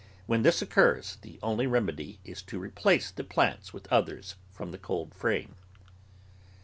When this occurs, the only remedy is to replace the plants with others from the coldframe.